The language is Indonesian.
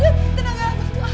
tentu dia tenaga abis abis tau gak